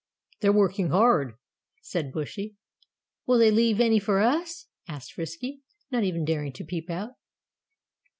"They're working hard," said Bushy. "Will they leave any for us?" asked Frisky, not even daring to peep out.